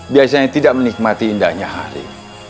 biasanya tidak menikmati indahnya hari